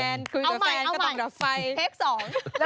เพลง๒เริ่ม